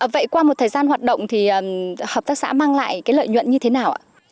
vậy qua một thời gian hoạt động thì hợp tác xã mang lại cái lợi nhuận như thế nào ạ